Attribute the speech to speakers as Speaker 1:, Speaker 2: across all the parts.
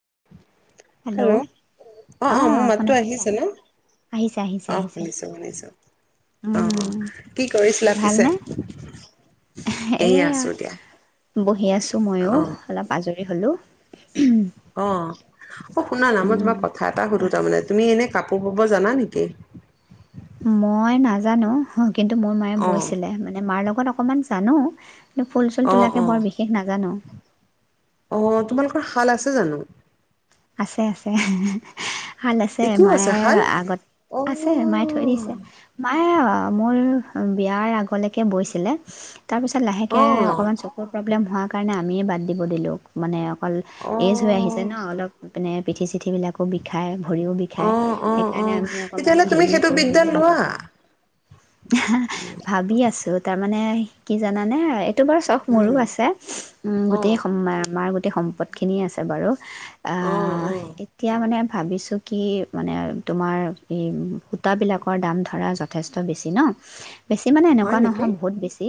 Speaker 1: [inaudible]
Speaker 2: Hello,
Speaker 1: অ মোৰ
Speaker 2: অহ',
Speaker 1: মাততো
Speaker 2: শুনা পাইছা।
Speaker 1: আহিছে ন
Speaker 2: আহিছা -আহিছে
Speaker 1: অ
Speaker 2: -আহিছে
Speaker 1: শুনিছো শুনিছো অ অ
Speaker 2: উম',
Speaker 1: কি কৰিছিলা পিছে
Speaker 2: ভালনে?
Speaker 1: সেয়ে
Speaker 2: এয়া
Speaker 1: আছো দিয়া
Speaker 2: বহি আছো ময়ো অলপ আজৰি হলো।
Speaker 1: অহ', অহ', শুনা না মই
Speaker 2: উম
Speaker 1: তোমাক কথা এটা সুধো
Speaker 2: কোৱা
Speaker 1: তাৰমানে তুমি এনে? কাপোৰ বব জানা নেকি?
Speaker 2: মই নাজানো। কিন্তু মোৰ মায়ে
Speaker 1: অ
Speaker 2: বৈছিলে। মানে মাৰ লগত। লগত অকণমান জানো। কিন্ত ফুল চুল
Speaker 1: অ অ
Speaker 2: তোলাকে বৰ বিশেষ নাজানো।
Speaker 1: অ তোমালোকৰ শাল আছে জানো?
Speaker 2: আছে-আছে। শাল আছে,
Speaker 1: এতিয়াও আছে
Speaker 2: মায়ে
Speaker 1: শাল
Speaker 2: আগত
Speaker 1: অ
Speaker 2: আছে মায়ে থৈ দিছে। মায়ে অহ', মোৰ বিয়াৰ আগলৈকে বৈছিলে। তাৰ পিছত লাহেকে
Speaker 1: অ
Speaker 2: অকণমান চকুৰ প্ৰব প্ৰব্লেম হোৱাৰ কাৰণে আমিয়ে বাদ দিব দিলোঁ মানে। অল
Speaker 1: অ
Speaker 2: এজ হৈ আহিছে ন অলপ। বনাই পিঠি চি। পঠিবিলাকো বিষায়, ভৰিও
Speaker 1: অ
Speaker 2: বিষায়
Speaker 1: অ অ
Speaker 2: সেইকাৰণে আমি অকমান
Speaker 1: তেতিয়াহ'লে তুমি
Speaker 2: হেৰি
Speaker 1: সেইটো
Speaker 2: কৰি
Speaker 1: বিদ্যা
Speaker 2: মেলি
Speaker 1: লোৱা
Speaker 2: বাধো হ ভাবি আছো, তাৰমানে। কি জানানে? বৰ চখ মোৰো
Speaker 1: উম
Speaker 2: আছে, উ
Speaker 1: অ
Speaker 2: গোটেই আমাৰ। গোটেই সম্পদখিনিয়ে আছে বাৰু। অ, এতিয়া মানে। ভাবিছোঁ কি মানে, তোমাৰ এই সূতাবিলাকৰ দাম ধৰা যথেষ্ট বেছি। ন। বেছি মানে
Speaker 1: হয়
Speaker 2: এনেকুৱা
Speaker 1: নেকি
Speaker 2: নহয় বহুত বেছি।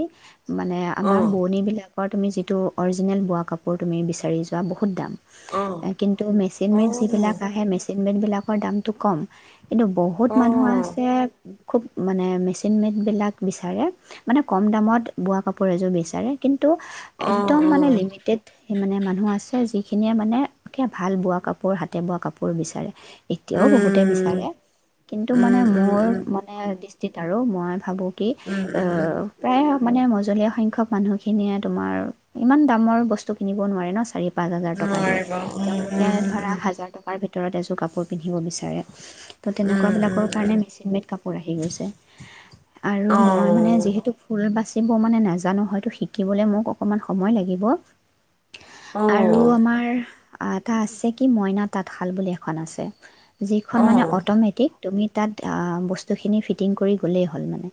Speaker 2: মানে
Speaker 1: অ
Speaker 2: আমাৰ বোৱণিবিলাকত। তুমি যিটো অৰিজিনেল বোৱা কাপোৰ তুমি বিচাৰি যোৱা বহুত দাম।
Speaker 1: অ
Speaker 2: কিন্তু মেচিন
Speaker 1: অ',
Speaker 2: মে যিবিলাক
Speaker 1: অ',
Speaker 2: আহে, মেচ মে বিলাকৰ দামটো কম। কিন্তু বহুত মানুহ
Speaker 1: অ',
Speaker 2: আছে। খুব মানে। মেচিন মেডবিলাক বিচাৰে। মানে, কম দামত বোৱা কাপোৰ এযোৰ বিচাৰে। কিন্তু। টো একদম মানে
Speaker 1: অ',
Speaker 2: লিমিটেড। সেই মানে মানুহ আছে যিখিনিয়ে মানে এতিয়া ভাল বোৱা কাপোৰ হাতে বোৱা কাপোৰ বিচাৰে। এতিয়াও বহুতে
Speaker 1: উম,
Speaker 2: বিচাৰে। কিন্তু মানে
Speaker 1: উম, উম,
Speaker 2: মোৰ
Speaker 1: উম,
Speaker 2: মানে আৰু মই ভাবোঁ। কি!
Speaker 1: উম, উম,
Speaker 2: আহ, প্ৰায়। মানে মজলীয়া সংখ্ক মানুহখিনিয়ে তোমাৰ ইমান দামৰ বস্তু কিনিব নোৱাৰে ন চাৰিওফাল পাঁচ হাজাৰ টকা দিয়ে
Speaker 1: নোৱাৰিব উম,
Speaker 2: তেওঁলোকে
Speaker 1: উম,
Speaker 2: ধৰা হাজাৰ টকাৰ ভিতৰত ভিতৰত এযোৰ কাপোৰ পিন্ধিব বিচাৰে ত'
Speaker 1: উম,
Speaker 2: তেনেকুৱ
Speaker 1: উম,
Speaker 2: বিলাকৰ কাৰণে মেচিন মেড কাপোৰ আহি গৈছে আৰু
Speaker 1: উম,
Speaker 2: মই মানে
Speaker 1: অ',
Speaker 2: যিহেতু ফুল বাচ মানে নাজানো হয়তো শিকিবলৈ মোক অকমান সময় লাগিব আৰু আমাৰ এটা আছে কি মইনা তাঁতশাল বুলি এখন আছে যিখন মানে
Speaker 1: অ',
Speaker 2: অট'মেটিক তুমি তাত বস্তুখিনি ফি তিন কৰি গলেই হল মানে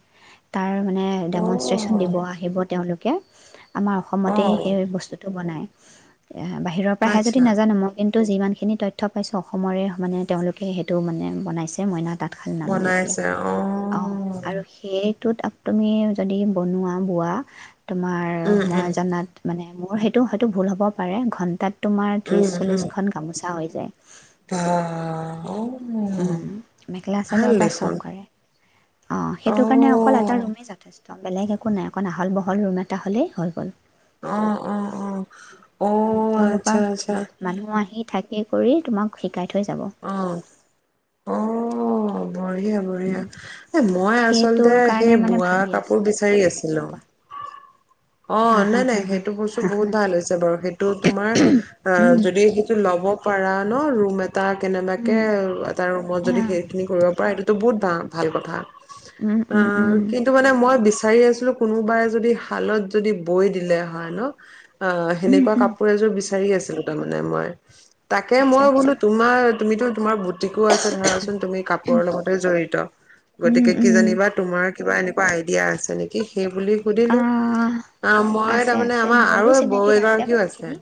Speaker 2: তাৰ আৰু মানে ডেমনষ্ট্ৰেশ্যন দিব আহিব তেওঁলোকে আমাৰ অসমতেই
Speaker 1: অ',
Speaker 2: সেই বস্তুটো বনায় বাহিৰৰ পৰাহে যদি
Speaker 1: আচ্ছা
Speaker 2: নাজানো মই কিন্তু তো যিমানখিনি তথ্য পাইছোঁ অসমৰে মানে তেওঁলোকে সেইটো মানে বনাইছে মইনা তাত
Speaker 1: বনাইছে অ
Speaker 2: অ আৰু সেয়ে তুমি য বন ব তোমাৰ
Speaker 1: উম,
Speaker 2: সময় জনাত মানে মোৰ সেইটো হয়তো ভুল হ'ব পাৰে ঘণ্টাত তোমাৰ ত্ৰিশ চল্লিশখন কাম আছে হৈ যায়
Speaker 1: অ
Speaker 2: উ মেখেলা চাদৰ পৰা চবকাৰে অ সেইটো কাৰণে অকল এটা
Speaker 1: অ',
Speaker 2: ৰুমে যথেষ্ট বেলেগ একো নাই অকণ আহল বহ হ'ল ৰুম এটা হ'লেই হৈ গ'ল
Speaker 1: অ', অ', অ',
Speaker 2: তেওঁলোকৰ
Speaker 1: আচ্ছা, আচ্ছা
Speaker 2: মানুহ আহি থাকে স কৰি তোমাক শিক গাই থৈ যাব
Speaker 1: অ'। অ বঢ়িয়া বঢ়িয়া এ মই
Speaker 2: সেইটোৰ
Speaker 1: আচলতে
Speaker 2: কাৰণে
Speaker 1: সেই
Speaker 2: মানে
Speaker 1: বোৱা
Speaker 2: ভাবি
Speaker 1: কাপোৰ
Speaker 2: আছোঁ
Speaker 1: বিচাৰি আছিলো
Speaker 2: কোৱা
Speaker 1: অ
Speaker 2: হা হা
Speaker 1: নাই
Speaker 2: হা
Speaker 1: নাই সেইটো বস্তু বহুত ভাল হৈছে বাৰু সেইটো তোমাৰ অ
Speaker 2: উম
Speaker 1: যদি সেইটো লব পৰাা ন ৰুম তাৰ কেনেবাকে
Speaker 2: উম
Speaker 1: তাৰ ৰুমত
Speaker 2: উম
Speaker 1: যদি সেইখিনি কৰিব পাৰে সটো তটো বহুত ভ ভাল কথা
Speaker 2: উম
Speaker 1: অ
Speaker 2: উম উম
Speaker 1: কিন্তু মানে মই বিশ চাৰি আছিলো কোনোবাই যদি হালত যদি বৈ দিলে হয় ন অ সেনেকুৱা
Speaker 2: উম
Speaker 1: কাপোৰ এযোৰ বিচাৰি আছিলো তাৰমানে মই তাকে
Speaker 2: আচ্ছা
Speaker 1: মই
Speaker 2: আচ্ছা
Speaker 1: বোলো তোমাৰ তুমিতো তোমাৰ ো আছে ধৰাচোন তুমি কাপোৰৰ লগতে জড়িত
Speaker 2: উম
Speaker 1: গতিকে কি
Speaker 2: উম
Speaker 1: জানিবা তোমাৰ কিবা এা পই দিয়া আছে নেকি সেই বুলি সুধিলোঁ
Speaker 2: আহ
Speaker 1: অ মই
Speaker 2: আছে
Speaker 1: তাৰমানে
Speaker 2: আছে
Speaker 1: আমাৰ
Speaker 2: মোৰো
Speaker 1: আৰু বড
Speaker 2: চিনাকিত
Speaker 1: এগৰাকীও আছে
Speaker 2: বহুতখিনি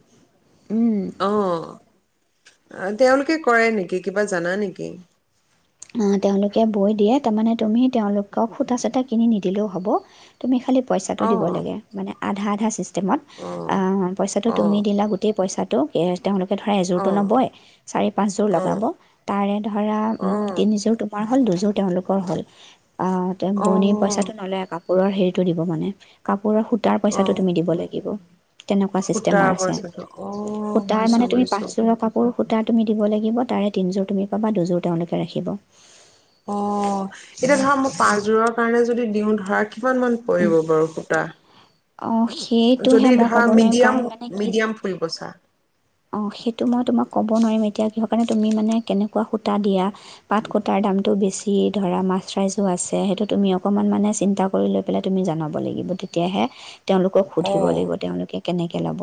Speaker 2: উম
Speaker 1: আহ আহ তেওঁলোকে কৰে নেকি কিবা জানা নেকি?
Speaker 2: তেওঁলোকে বৈ দিয়ে তাৰমানে তুমি তেওঁলোকক সূতা চূতা কিনি নিদিলেও হ'ব তুমি খালি পইচাটো
Speaker 1: অ
Speaker 2: দিব লাগে মানে আধা আধা পইচ চিষ্টেমত
Speaker 1: অ
Speaker 2: আআআ পইচাটো
Speaker 1: অ
Speaker 2: তুমি দিলা গোটেই পইচা সেইটো কেচ তেওঁলোকে ধৰা
Speaker 1: অ
Speaker 2: এযোৰটো নবৈ চাৰি পাঁচযোৰ লগাব
Speaker 1: অ
Speaker 2: তাৰে ধৰা উম
Speaker 1: অ
Speaker 2: তিনিযোৰ তোমাৰ হ'ল দুযোৰ তেওঁলোকৰ হ'ল হি অ তেওঁ বয়ন
Speaker 1: অ',
Speaker 2: পইচাটো নলয় আক কাপোৰৰ হেৰিটো দিব মানে কাপোৰ কাপোৰৰ সূতাৰ পইচাটো
Speaker 1: অ',
Speaker 2: তুমি দিব লাগিব। তেনেকুৱা
Speaker 1: সূতাৰ
Speaker 2: চিষ্টেমৰ আছে
Speaker 1: পইচাটো অ',
Speaker 2: সূতাই
Speaker 1: বুজিছোঁ
Speaker 2: মানে তুমি
Speaker 1: বুজিছোঁ।
Speaker 2: পাঁচযোৰ কাপোৰ সূতা তুমি দিব লাগিব তাৰে তিনিযোৰ তুমি পাবা দুযোৰ তেওঁলোকে ৰাখিব।
Speaker 1: অ এতিয়া ধৰা মই পাঁচযোৰৰ কাৰণে যদি দিওঁ ধৰা কি কিমান মান পৰিব বাৰু সূতা।
Speaker 2: অ
Speaker 1: যদি
Speaker 2: সেইটোহে মই
Speaker 1: ধৰা
Speaker 2: কব নোৱাৰিম
Speaker 1: মিডিয়াম
Speaker 2: কাৰণ মানে কি
Speaker 1: মিডিয়াম ফুল
Speaker 2: আছে।
Speaker 1: বচা।
Speaker 2: অ সেইটো মই তোমাক কব নোৱাৰিম এতিয়া কিহৰ কাৰণে তুমি মানে কেনেকুৱা সূতা দিয়া পাট সূতাৰ দামটো বেছি ধৰা মাষ্টৰাইস ও আছে সেইটো তুমি অকমান মানে চিন্তা কৰি লৈ পেলাই তুমি জনাব লাগিব তেতিয়াহে তেওঁলোকক সুধিব
Speaker 1: অ',
Speaker 2: লাগিব তেওঁলোকে কেনেকে কে ল'ব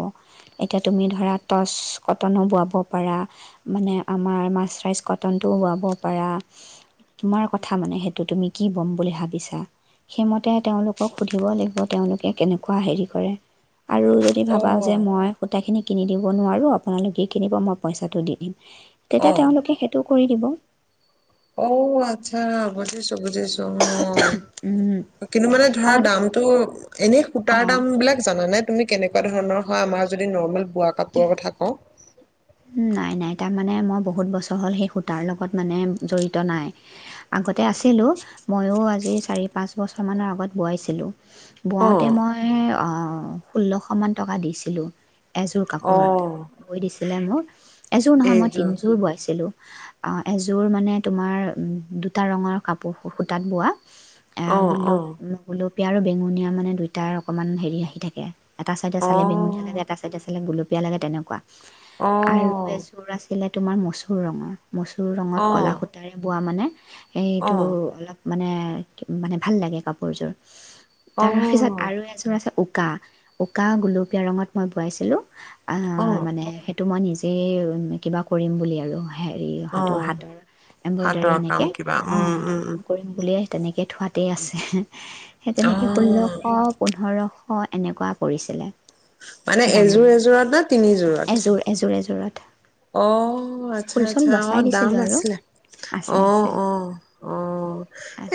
Speaker 2: এতিয়া তুমি ধৰা টচ কটনো বোৱাব পাৰা মানে আমাৰ মাষ্টৰাইজ কটনটোও বোৱাব পাৰা তোমাৰ কথা মানে সেইটো তুমি কি ব'ম বুলি ভাবিছা সেইমতে তেওঁলোকক সুধিব লাগিব তেওঁলোকে কেনেকুৱা হেৰি কৰে। আৰু যদি ভাবাওঁ যে
Speaker 1: অ',
Speaker 2: মই সূতাখিনিক দিব নোৱাৰোঁ আপোনালোকে কিনিব মই পইচাটো দি দিম। তেতিয়া তেওঁলোকে সেইটোও কৰি দিব।
Speaker 1: অও আচ্ছা বুজিছো বুজিছো হুম
Speaker 2: উম
Speaker 1: কিন্তু মানে ধৰা
Speaker 2: কাৰণ
Speaker 1: দামটো এনেই সূতাৰ
Speaker 2: অঁ
Speaker 1: দাম বিলাক জানানে? তুমি কেনেকুৱা ধৰণৰ হয় আমাৰ যদি নৰ্মেল বোৱা কাপোৰৰ কথা কওঁ।
Speaker 2: নাই নাই তাৰমানে মই বহুত বছৰ হ'ল সেই সূতাৰ লগত মানে জড়িত নাই আগতে আছিলোঁ ময়ো আজি চাৰি পাঁচ বছৰমানানৰ আগত বোৱাইছিলোঁ। বোৱাওঁতে
Speaker 1: অ',
Speaker 2: মই অ অ অহ ষোল্লশ মান টকা দিছিলো। এযোৰ কাপোৰত
Speaker 1: অ',
Speaker 2: বৈ দিছে মোৰ এযোৰ নহয় মই
Speaker 1: এইযোৰ
Speaker 2: তিনিযোৰ বোৱাইছিলোঁ। এযোৰ মানে তোমাৰ দুটা ৰঙৰ কাপোৰ সূতাত বোৱা। আহ
Speaker 1: অ',
Speaker 2: গুলল
Speaker 1: অ',
Speaker 2: গল সেউজীয়া আৰু বেঙুনীয়া মানে দুইটাৰ অকমান হেৰি আহি থাকে এটা চাইডে চালে বেঙুনীয়া লাগে
Speaker 1: অ'।
Speaker 2: এটা চাইড চালে গোলপীয়া বেয়া লাগে তেনেকুৱা। আৰু
Speaker 1: অ',
Speaker 2: এযোৰ আছিলে তোমাৰ মচুৰ ৰঙৰ মচুৰ ৰঙত ক'লা
Speaker 1: অ',
Speaker 2: সূতাৰে বোৱা মানে এইটো
Speaker 1: অ',
Speaker 2: অলপ মানে মানে ভাল লাগে কাপোৰযোৰ। তাৰ পিছত
Speaker 1: অ',
Speaker 2: আৰু এযোৰ আছে উকা উকা গুলপীয়া ৰঙত মই বোৱাইছিলোঁ আহ
Speaker 1: অ',
Speaker 2: মানে সেইটো মই নিজে কিবা কৰিম বুলি আৰু হেৰি হয়তো
Speaker 1: অ',
Speaker 2: হাতৰ এম্ব্ৰইডাৰী
Speaker 1: সাতৰ কাম
Speaker 2: এনেকে
Speaker 1: কিবা
Speaker 2: অহ
Speaker 1: উম,
Speaker 2: হাতৰ
Speaker 1: উম, উম,
Speaker 2: কাম কৰিম বুলিয়ে তেনেকৈ থোৱাতেই আছে। সেই তেনেকে
Speaker 1: অ',
Speaker 2: ষোল্লশ পোন্ধৰশ অহ এনেকুৱা কৰিছিলে।
Speaker 1: মানে এযোৰ এযোৰত নে তিনিযোৰ?
Speaker 2: এযোৰ এযোৰ এযোৰত।
Speaker 1: অহ আচ্ছা
Speaker 2: ফুল চুল
Speaker 1: আচ্ছা। অহ
Speaker 2: বচাই
Speaker 1: দাম
Speaker 2: দিছিলোঁ আৰু
Speaker 1: আছিলে
Speaker 2: আছে
Speaker 1: অহ
Speaker 2: আছে
Speaker 1: ‌অহ অহ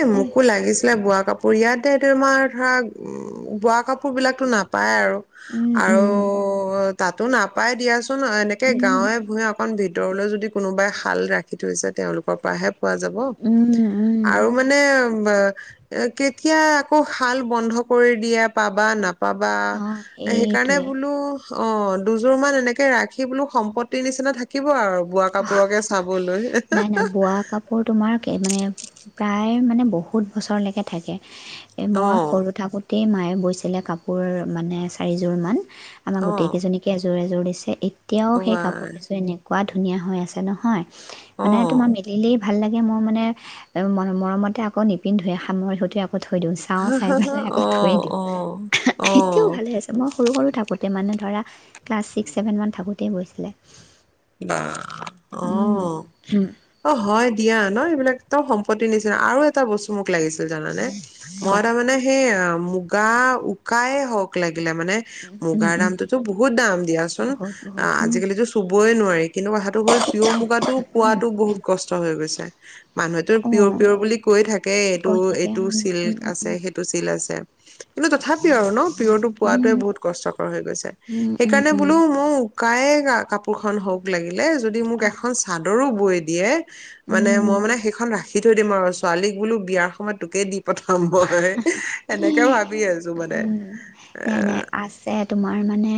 Speaker 1: এই মোকো লাগিছিলে বোৱা কাপোৰ ইয়াত এতিয়া তোমাৰ ধৰা বোৱা কাপোৰ বিলাকতো নাপায় আৰু
Speaker 2: উম
Speaker 1: আৰু
Speaker 2: উম
Speaker 1: তাতো নাপাই দিয়া [unintelligible] এনেকে
Speaker 2: উম
Speaker 1: গাঁৱে। অকন ভিতৰলৈ যদি কোনোবাই শাল ৰাখি থৈছে তেওঁলোকৰ পৰাহে পোৱা যাব
Speaker 2: উম উম
Speaker 1: আৰু মানে কেতিয়া আকৌ শাল বন্ধ কৰি দিয়া পাবা নাপ পাবা
Speaker 2: অ
Speaker 1: সেইকাৰণে
Speaker 2: সেইটোৱে
Speaker 1: বোলো অ, দুযোৰ মান এনেকে ৰাখি বোলো সম্পত নিচিনা থাকিব আৰু। বোৱা কাপোৰকে চাবলৈ [unintelligible]
Speaker 2: নাই নাই বোৱা কাপোৰ তোমাৰ মানে প্ৰায় মানে বহুত বছৰলৈকে থাকে।
Speaker 1: অ
Speaker 2: মই সৰু থাকোঁতে গোটেই মায়ে বৈছিলে কাপোৰ মানে চাৰিযোৰমান। আমাৰ
Speaker 1: অ
Speaker 2: গোটেই কেইজনীকে জোৰে জোৰ দিছে এই তেওঁ সেই কাপোৰ
Speaker 1: ৱাই
Speaker 2: কেইযোৰ এনেকুৱাত ধুনীয়া হৈ আছে নহয়।
Speaker 1: অ
Speaker 2: মানে তোমাৰ মেলিলেই ভাল লাগে মোৰ মানে মৰমতে আকৌ নিপিন্ধোঁ সামৰি সিহতে আকৌ আৌ থৈ দিওঁ চাওঁ, চাই পেলাই আকৌ
Speaker 1: অ
Speaker 2: থৈ দিওঁ।
Speaker 1: অ অ
Speaker 2: এতিয়াও ভালে আছে। মই সৰু, সৰু থাকোতে মানে ধৰা ক্লাছ ছিক্স ছেভেন মান থাকোতে বৈছিলে।
Speaker 1: বা, অ, অ, হয় দিয়া ন এইবিলাক? তেওঁ সম্পত্তি নিচিনা আৰু এটা বস্তু মোক লাগিছিল জানানে? মই
Speaker 2: কোৱা
Speaker 1: তাৰমানানে সেই অ মুগা উকাইে হওঁক লাগে। মুগাৰ দামটো বহুত দাম দিয়া
Speaker 2: বহুত বহুত
Speaker 1: চো কই নোৱাৰি। কিন্তু হটো হ'ল পিয় মুগাতটো পোৱাতো বহুত কষ্ট হৈ গৈছে। উ। মানুহেতো পিয়'ৰ
Speaker 2: অঁ
Speaker 1: পিয়'ৰ বুলি কৈ থাকে। এইটো,
Speaker 2: কৈ থাকে
Speaker 1: এইটো চিল্ক আছে। সেইটো চিল্ক আছে। কিন্ত তথাপিও আৰু ন পিয়টো পোৱাাতোৱে বহুত কষ্টকৰ হৈ গৈছে সেইকাৰণে বোলো মই কাইে ক কাপ সোষণ হওক লাগে য মোক এখন চাদৰো বৈ দিয়ে মানে মই মানে সেইখন ৰাখ ৰাখি থৈ দিম আৰু ছোৱালী বোলো বিয়াৰ সময়ত তোকে দি পথম মই এেনেকে ভাবি আছো ত মানে
Speaker 2: নাই নাই আছে তোমাৰ মানে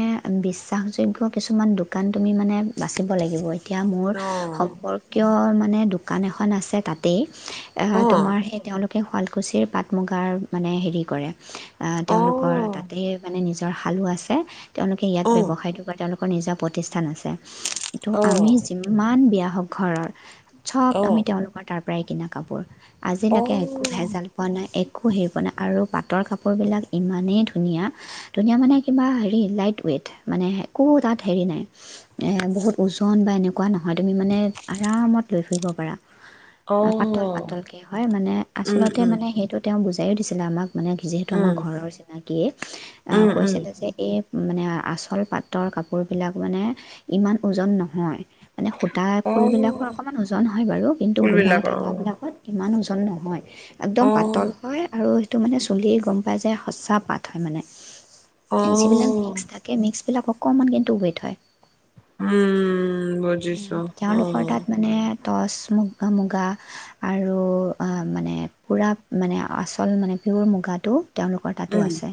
Speaker 2: বিশ্বাস দ্বাহযোগ্য কিছুমান দোকান তুমি মানে বাচিব লাগিবই এতিয়া মোৰ
Speaker 1: অ
Speaker 2: সম্পৰ্কীয় মে মানে দোকান এখন আছে তাতেই অ তোমাৰ সেই তেওঁলোক শুৱালকুছিৰ পাট মুগাৰ মানে হেৰি কৰে
Speaker 1: অ
Speaker 2: তেওঁলোকৰ তাত মানে নিজৰ শালো আছে তেওঁলোকে ইয়াত
Speaker 1: অ
Speaker 2: ব্যৱসায়টো কৰে তেওঁলোকে নিজা প্ৰতিষ্ঠান আছে তটো
Speaker 1: অ
Speaker 2: আমি যিমান বিয়া হক ঘৰৰ চব আমি
Speaker 1: অ
Speaker 2: তেওঁলোকৰ তাৰ প্ৰায় কিনা কাপোৰ
Speaker 1: অ
Speaker 2: আজিলৈকে একো ভেজাল পোৱা নাই এক একো হে ব নাই আৰু পাটৰ কাপোৰবিলাক ইমানেই ধুনীয়া ধুনীয়া মানে কিবা হেৰি লাইট ৱেইট মানে একো তাত হেৰি নাই বহুত ওজন বা এৱা কোৱা নহয় তুমি মানে আৰামত লৈ ফুৰিব পাৰা।
Speaker 1: অ
Speaker 2: পাতল পাতলকে হয় মানে
Speaker 1: উম
Speaker 2: আচলতে
Speaker 1: উম
Speaker 2: মানে সেইটো তেওঁ বুজি চাইড দিছিলে আমাক মানে যিহেতু আমাৰ
Speaker 1: উম
Speaker 2: ঘৰৰ চিনাকি কে আহ
Speaker 1: উম, উম,
Speaker 2: কৈছিলে যে এই মানে আচল পাতৰ কাপোৰবিলাক মানে ইমান ওজন নহয় মানে সুতা ফুল বিলাকৰ
Speaker 1: অ',
Speaker 2: অকমান ওজন হয় বাৰু কিন্তু গুনা
Speaker 1: ফুলবিলাকৰ
Speaker 2: থকা
Speaker 1: অ'।
Speaker 2: বিলাকত কিমান ওজন প্ৰশ্ন নহয় একদম পাতল
Speaker 1: অ',
Speaker 2: হয় আৰু টো মানে চুলিয়েই গম পায় যায় সঁচা পাত খাই মানে যিবিলাক
Speaker 1: অ',
Speaker 2: মিক্স থাকে মিক্স এইবিলাক অকণমান কিন্তু ৱেইট হয়
Speaker 1: উম বুজিছো অ
Speaker 2: তেওঁলোকৰ তাত মানে টচ মু মুগা আৰু মানে পুৰা মানে আচল মানে পিয়'ৰ মুগাটো তেওঁলোকৰ তাতো
Speaker 1: উম,
Speaker 2: আছে।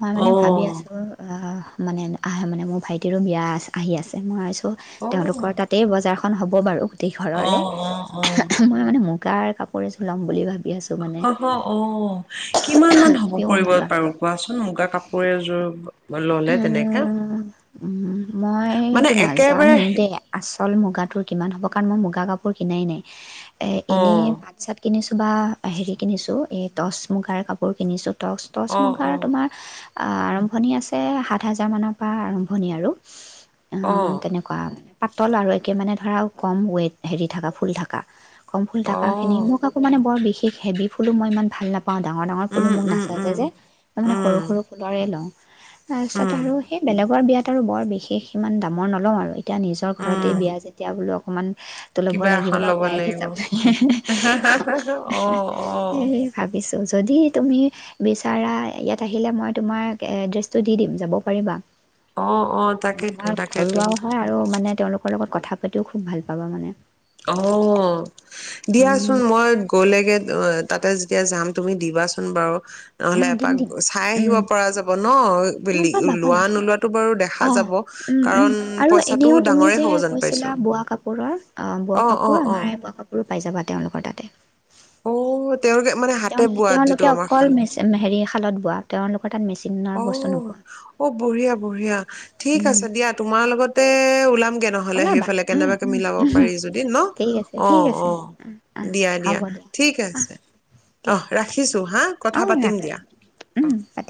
Speaker 2: মই
Speaker 1: অ',
Speaker 2: মানে ভাবি আছো অ মানে আহে মানে মোৰ ভাইটিৰো বিয়া আহি আছে মই তেওঁলোকৰ
Speaker 1: অ'।
Speaker 2: তাতেই বজাৰ খন হ'ব বাৰু গোটেই ঘৰৰে
Speaker 1: অ', অ', অ',
Speaker 2: মই মানে মোক গাৰ কাপোৰে চো ল'ম বুলি ভাবে
Speaker 1: অ অ কিমান মান হ'ব
Speaker 2: পিয়'ৰ
Speaker 1: কৰিবব
Speaker 2: মুগাৰ
Speaker 1: পাৰো কোৱাচোন োন মুগা কাপোৰেযোৰ
Speaker 2: উ উ
Speaker 1: মানে
Speaker 2: মইটো
Speaker 1: একেবাৰে
Speaker 2: নাজানিম দেেই আছো চল মুগাটোৰ কিমান হ'ব কাৰণ মই মুগা কাপোৰ কিনাই নাই
Speaker 1: আহ
Speaker 2: কিবা হেৰি কিনিছো এই টচ মুগাৰ কাপোৰ কিনিছো টৰ্চ টচ
Speaker 1: অ',
Speaker 2: মুগাৰ
Speaker 1: অ',
Speaker 2: তোমাৰ আৰম্ভণি আছে সাত হাজাৰ মানৰ পৰা আৰম্ভণি আৰু অ তেনেকুৱা পাতল আৰু একে মানে ধৰাও কম ৱেট হেৰি থকা ফুল থাককা কম ফুলটাককা খিনি
Speaker 1: অ',
Speaker 2: মোক আকৌ মানে বৰ বিশে ঠ হেভি ফুলো মই ইমান ভাল নাপওঁ পাওঁ ডাঙৰ ডাঙৰ ফুলো
Speaker 1: উম,
Speaker 2: মোক
Speaker 1: উম,
Speaker 2: নাচা যে
Speaker 1: উম।
Speaker 2: যে মই মানে সৰু
Speaker 1: উম,
Speaker 2: সৰু ফুলৰে লওঁ তাৰপিছত
Speaker 1: উম,
Speaker 2: আৰু সেই বেলেগৰ বিয়য়াাত আৰু বৰ বিশেষ ইমান দামৰ নল'ম আৰু তেতিয়া নিজৰ ঘৰতেই
Speaker 1: উম,
Speaker 2: বিয়া যেতিয়া বোলক অকণমান তো ল'ব
Speaker 1: কিবা
Speaker 2: লাগিব
Speaker 1: এখন
Speaker 2: ন'
Speaker 1: ল'ব
Speaker 2: বায়েক
Speaker 1: লাগিব
Speaker 2: হিচাপে,
Speaker 1: অ', অ'।
Speaker 2: সেয়ে ভাবিছো যদি তুমি বিচাৰা ইয়াত আহিলে মই তোমাক এড্ৰেচ চটো দি দিম যাব পাৰিবা।
Speaker 1: অ', অ', তাকেতো
Speaker 2: আমাৰ
Speaker 1: তাকেতো
Speaker 2: ঘৰুৱাও হয় আৰু মানে তেওঁলোকৰ লগত কথা পাতিও খুব ভাল পাবা মানে
Speaker 1: অ', দিয়াচোন মই গ'লেগে অ', তাতে যেতিয়া যাম তুমি দিবাচোন বাৰু নহ'লে
Speaker 2: অঁ দিম
Speaker 1: এপাক
Speaker 2: দিম
Speaker 1: চাই আহিব
Speaker 2: উম
Speaker 1: পৰা যাব ন' [unintelligible] লোৱা নোলোৱাটো বাৰু দেখা
Speaker 2: অহ
Speaker 1: যাব।
Speaker 2: উম উম‌
Speaker 1: কাৰণ
Speaker 2: আৰু
Speaker 1: পইচাটো
Speaker 2: এনেও তুমি
Speaker 1: ডাঙৰে
Speaker 2: যে
Speaker 1: হ'ব যেন
Speaker 2: কৈছিলা
Speaker 1: পাইছো
Speaker 2: বোৱা কাপোৰৰ অহ অহ বোৱা
Speaker 1: অ', অ',
Speaker 2: কাপোৰ আমাৰ
Speaker 1: অ'।
Speaker 2: এই বোৱা কাপোৰ পাই যাবা তেওঁলোকৰ তাতে
Speaker 1: অ', তেওঁলোকে মানে
Speaker 2: তেওঁ
Speaker 1: হাতে বোৱাত যিটো
Speaker 2: তেওঁলোকে
Speaker 1: আমাৰ
Speaker 2: অকল মেচ হেৰি' শাঁলত বোৱা তেওঁলোক
Speaker 1: অহ অহ বঢ়িয়া, বঢ়িয়া ঠিক
Speaker 2: উম
Speaker 1: আছে দিয়া তোমাৰ লগতে ওলাম কে নহ'লে
Speaker 2: ওলাবা
Speaker 1: সেইফালে
Speaker 2: উম
Speaker 1: কেনেবাকৈ
Speaker 2: উম
Speaker 1: মিলাব পাৰি যদি নহ
Speaker 2: ঠিক আছে ঠিক
Speaker 1: অহ
Speaker 2: আছে
Speaker 1: অহ
Speaker 2: আহ
Speaker 1: দিয়া দিয়া
Speaker 2: হ'ব
Speaker 1: ঠিক
Speaker 2: আহ
Speaker 1: আছে।
Speaker 2: দিয়া
Speaker 1: অহ ৰাখিছো হা কথা
Speaker 2: অঁ
Speaker 1: পাতিম
Speaker 2: ৰাখা
Speaker 1: দিয়া
Speaker 2: উম
Speaker 1: অহ
Speaker 2: পাতিম